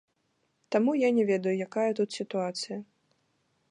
Таму я не ведаю, якая тут сітуацыя.